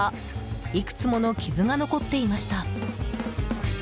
いくつもの傷が残っていました。